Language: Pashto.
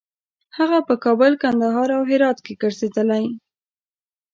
هغه په کابل، کندهار او هرات کې ګرځېدلی.